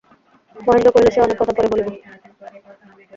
মহেন্দ্র কহিল, সে অনেক কথা, পরে বলিব।